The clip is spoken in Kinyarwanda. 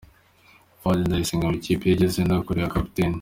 Fuadi Ndayisenga mu ikipe yigeze no kubera kapiteni.